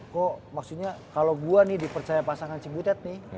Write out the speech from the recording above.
kok maksudnya kalo gua nih dipercaya pasangan cibutet nih